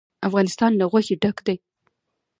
افغانستان له غوښې ډک دی.